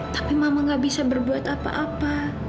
tapi mama gak bisa berbuat apa apa